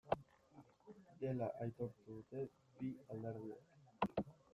Dela aitortu dute bi alderdiek.